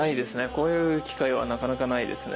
こういう機会はなかなかないですね。